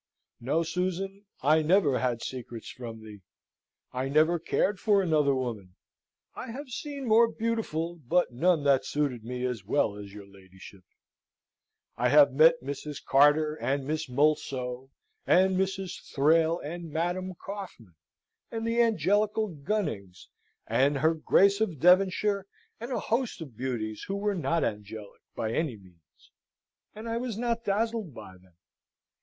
No, Susan, I never had secrets from thee. I never cared for another woman. I have seen more beautiful, but none that suited me as well as your ladyship. I have met Mrs. Carter and Miss Mulso, and Mrs. Thrale and Madam Kaufmann, and the angelical Gunnings, and her Grace of Devonshire, and a host of beauties who were not angelic, by any means: and I was not dazzled by them.